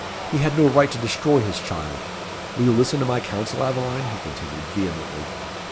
He had no right to destroy his child. Will you listen to my council, Aveline?" he continued, vehemently.